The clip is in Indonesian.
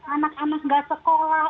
anak anak tidak sekolah